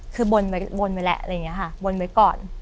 คือบนไว้แหละบนไว้ก่อน